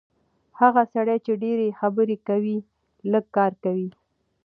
هغه سړی چې ډېرې خبرې کوي، لږ کار کوي.